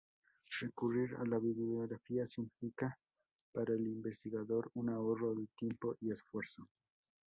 Recurrir a la bibliografía significa para el investigador un ahorro de tiempo y esfuerzo.